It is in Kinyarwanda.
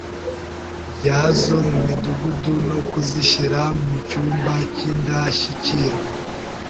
byazo mu Midugudu no kuzishyira mu cyumba cy’indashyikirwa.